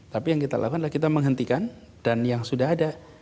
tapi yang kita lakukan adalah kita menghentikan dan yang sudah ada